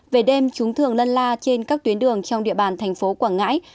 về đêm chúng thường lân la trên các tuyến đường trong địa bàn thành phố quảng ngãi